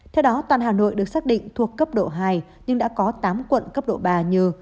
theo đó toàn hà nội được xác định thuộc cấp độ hai nhưng đã có tám quận cấp độ ba như